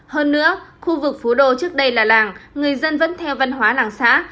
hơn nữa khu vực phú đô trước đây là làng người dân vẫn theo văn hóa làng xã